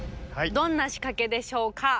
どんなしかけでしょうか？